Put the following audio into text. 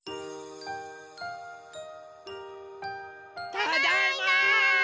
ただいま！